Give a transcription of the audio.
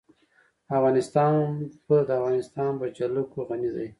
افغانستان په د افغانستان جلکو غني دی.